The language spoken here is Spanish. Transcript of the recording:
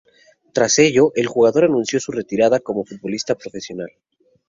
Tras ello, el jugador anunció su retirada como futbolista profesional.